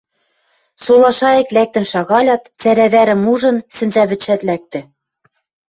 Сола шайык лӓктӹн шагалят, цӓрӓ вӓрӹм ужын, сӹнзӓвӹдшӓт лӓктӹ.